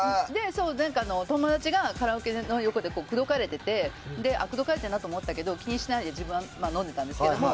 友達がカラオケの横で口説かれてて口説かれてるなと思ったけど自分は気にしないで飲んでたんですよ。